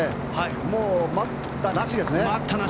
もう待ったなしですね。